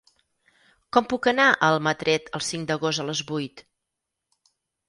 Com puc anar a Almatret el cinc d'agost a les vuit?